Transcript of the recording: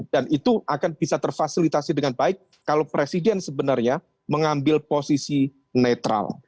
dan itu akan bisa terfasilitasi dengan baik kalau presiden sebenarnya mengambil posisi netral